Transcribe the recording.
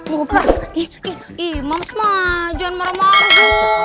ih ih ih maaf ma jangan marah marah